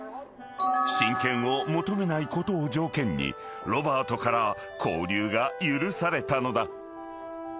［親権を求めないことを条件にロバートから交流が許されたのだ］